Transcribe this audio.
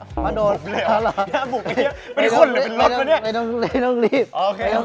บุบเลยเหรอพูดดีเป็นรถปะเนี้ย